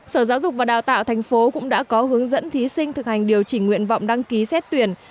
sở giáo dục và đào tạo thành phố cũng đã có hướng dẫn thí sinh thực hành điều chỉnh nguyện vọng đăng ký xét tuyển